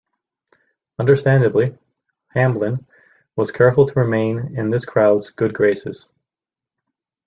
Understandably, Hamblin was careful to remain in this crowd's good graces.